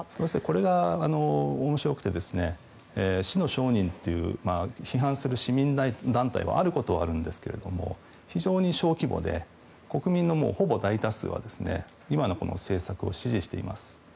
これが面白くて死の商人という批判する市民団体はあることはあるんですけれども非常に小規模で国民のほぼ大多数は今の政策を支持しています。